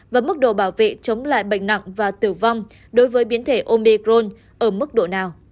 và mức độ bảo vệ chống lại bệnh nặng và tử vong đối với biến thể omicrone ở mức độ nào